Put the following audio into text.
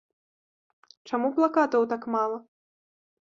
Чаму плакатаў так мала?